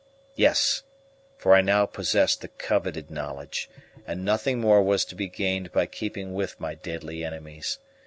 Yes; for I now possessed the coveted knowledge, and nothing more was to be gained by keeping with my deadly enemies.